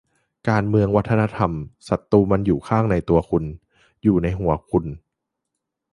"การเมืองวัฒนธรรม ศัตรูมันอยู่ข้างในตัวคุณ อยู่ในหัวคุณ"